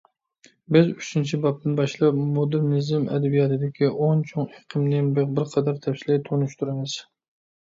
بىز ئۈچىنچى بابتىن باشلاپ مودېرنىزم ئەدەبىياتىدىكى ئون چوڭ ئېقىمنى بىرقەدەر تەپسىلىي تونۇشتۇرىمىز.